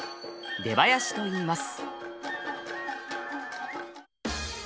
出囃子と言います。